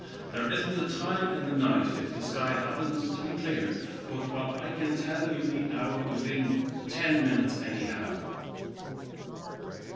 There isn't a time in the night, if the sky happens to be clear, but what I can tell you the hour within ten minutes anyhow."